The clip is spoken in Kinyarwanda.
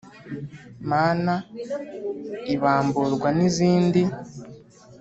mana ibamburwa n’izindi